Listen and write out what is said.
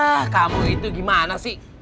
entah kamu itu gimana sih